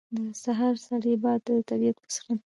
• د سهار سړی باد د طبیعت موسیقي ده.